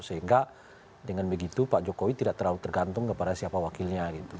sehingga dengan begitu pak jokowi tidak terlalu tergantung kepada siapa wakilnya gitu